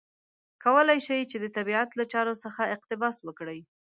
کولای شي چې د طبیعت له چارو څخه اقتباس وکړي.